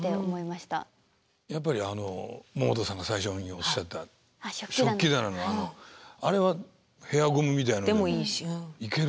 やっぱり百田さんが最初におっしゃった食器棚のあれはヘアゴムみたいのでもいけるんですね。